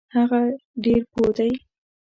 هغه ډیر پوه دی.